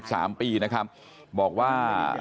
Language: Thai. ก็จะหันหลังกันไกล